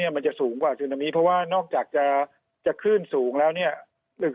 มันจะสูงกว่าซึนามิเพราะว่านอกจากจะขึ้นสูง